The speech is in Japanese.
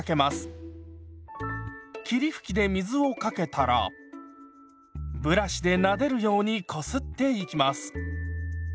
霧吹きで水をかけたらブラシでなでるようにこすっていきます。